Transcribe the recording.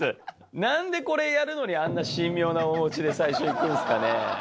なんでこれやるのにあんな神妙な面持ちで最初、いくんですかね。